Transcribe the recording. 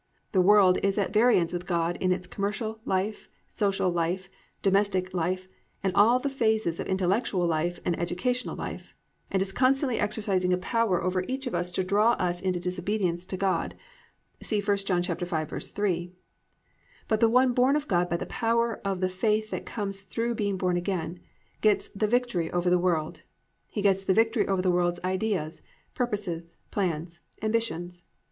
The world is at variance with God in its commercial life, social life, domestic life, and all the phases of intellectual life and educational life, and is constantly exercising a power over each of us to draw us into disobedience to God (see 1 John 5:3); but the one born of God by the power of the faith that comes through being born again, gets the victory over the world. He gets the victory over the world's ideas, purposes, plans, ambitions.